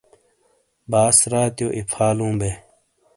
باس راتیو ایفا لوں بے۔